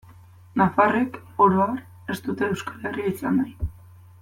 Nafarrek, oro har, ez dute Euskal Herria izan nahi.